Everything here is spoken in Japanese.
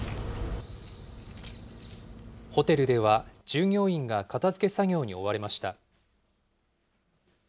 ホテルでは従業員が片づけ作業に追われました。